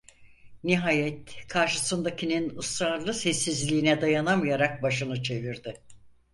Nihayet karşısındakinin ısrarlı sessizliğine dayanamayarak başını çevirdi.